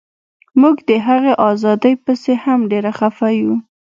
موږ د هغې ازادۍ پسې هم ډیر خفه یو